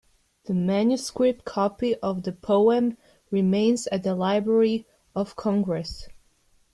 The manuscript copy of the poem remains at the Library of Congress.